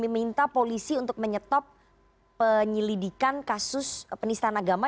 minta polisi untuk menyetop penyelidikan kasus penistan agama